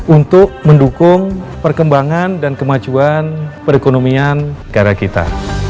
untuk mendukung perkembangan dan kemajuan perekonomian negara kita